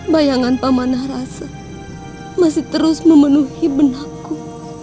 bayangan pamanah rasa masih terus memenuhi benakku